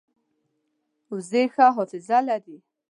وزې ښه حافظه لري